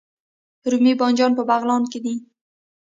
رومي بانجان په بغلان کې کیږي